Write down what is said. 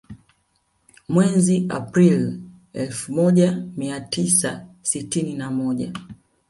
Mwezi Aprili elfu moja mia tisa sitini na moja